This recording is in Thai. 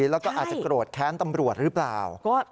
แล้วก็อาจจะโกรธแค้นตำรวจหรือเปล่า